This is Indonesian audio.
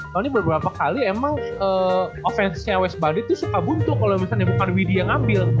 soalnya beberapa kali emang offense nya west bandit tuh suka buntu kalo misalnya bukan wd yang ngambil